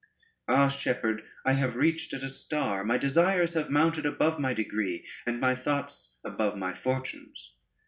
Ah, Shepherd, I have reached at a star: my desires have mounted above my degree, and my thoughts above my fortunes.